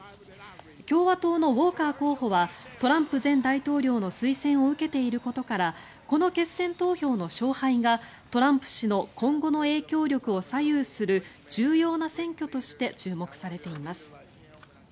共和党のウォーカー候補はトランプ前大統領の推薦を受けていることからこの決選投票の勝敗がトランプ氏の今後の影響力を左右する重要な選挙として注目されています。